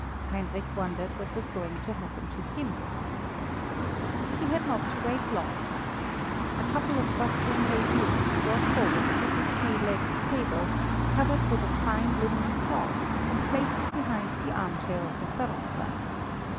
Heinrich wondered what was going to happen to him. He had not to wait long. A couple of bustling heydukes brought forward a little three legged table, covered with a fine linen cloth, and placed it behind the armchair of the Starosta.